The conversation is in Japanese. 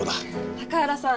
高原さん